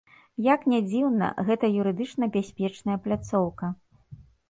Як не дзіўна, гэта юрыдычна бяспечная пляцоўка.